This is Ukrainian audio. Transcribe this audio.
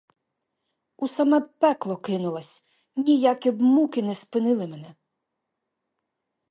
У саме б пекло кинулась, ніякі б муки не спинили мене!